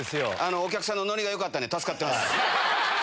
お客さんのノリがよかったんで、助かってます。